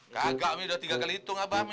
kagak mi udah tiga kali hitung ah pak mi